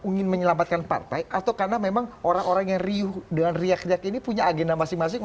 ingin menyelamatkan partai atau karena memang orang orang yang riuh dengan riak riak ini punya agenda masing masing